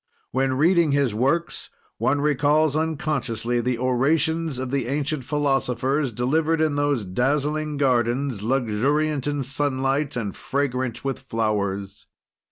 When reading his works, one recalls unconsciously the orations of the ancient philosophers, delivered in those dazzling gardens, luxuriant in sunlight and fragrant with flowers.